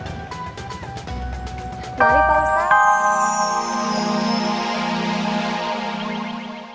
mari pak ustadz